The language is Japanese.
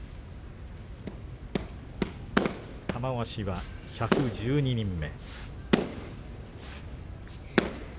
玉鷲は１１２人目。